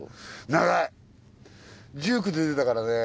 長い１９で出たからね。